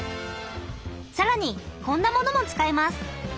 更にこんなものも使います！